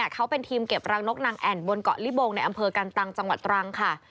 เขาเป็นทีมเก็บรังนกนางแอ่นบนเกาะลิบงในอำเภอกันตังจังหวัดตรังค่ะ